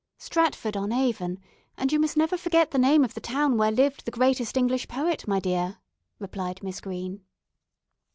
"Stratford on Avon, and you must never forget the name of the town where lived the greatest English poet, my dear," replied Miss Green.